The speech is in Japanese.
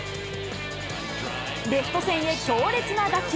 レフト線へ強烈な打球。